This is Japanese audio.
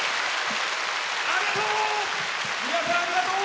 ありがとう！